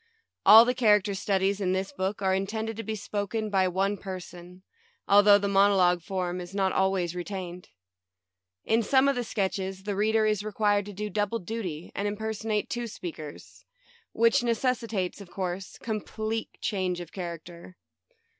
All the character studies in this book are intended to be spoken by one person, al though the monologue form is not always retained. In some of the sketches the reader is required to do double duty and imperson ate two speakers, which necessitates, of course, complete change of character.